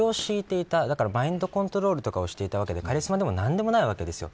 マインドコントロールをしていたわけでカリスマでも何でもないわけです。